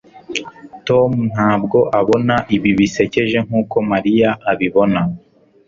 tom ntabwo abona ibi bisekeje nkuko mariya abibona